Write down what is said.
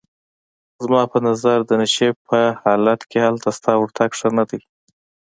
زما په نظر د نشې په حالت کې هلته ستا ورتګ ښه نه دی.